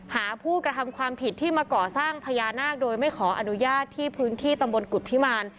หาผู้กระทำความผิดที่มาก่อสร้างพญานาคโดยไม่ขออนุญาตที่พื้นที่ตำบลกุฎพิมาร